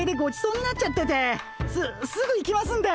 すすぐ行きますんで！